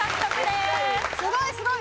すごいすごい！